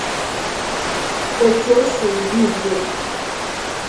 Otu o siri dị ugbu a